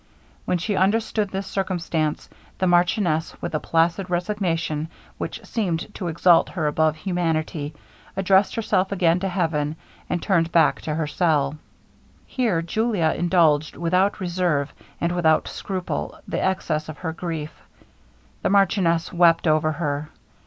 When she understood this circumstance, the marchioness, with a placid resignation which seemed to exalt her above humanity, addressed herself again to heaven, and turned back to her cell. Here Julia indulged without reserve, and without scruple, the excess of her grief. The marchioness wept over her.